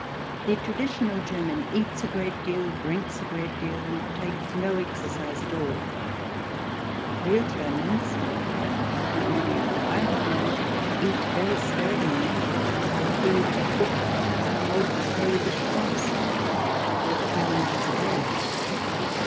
The traditional German eats a great deal, drinks a great deal, and takes no exer cise at all. Real Germans — a good many of them that I have known — eat very sparingly of food cooked "^ la mode du pays de France," and walk twenty miles a day.